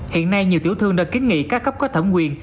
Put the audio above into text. hiện nay nhiều tiểu thương đã kiến nghị các cấp có thẩm quyền